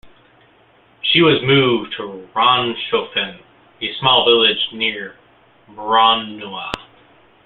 She was moved to Ranshofen, a small village near Braunau.